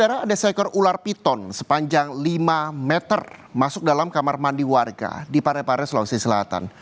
daerah ada seekor ular piton sepanjang lima meter masuk dalam kamar mandi warga di parepare sulawesi selatan